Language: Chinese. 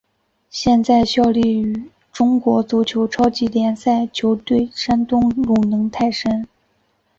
现在效力中国足球超级联赛球队山东鲁能泰山。